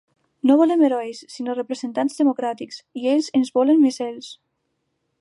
No volem herois sinó representants democràtics, i ells ens volen mesells.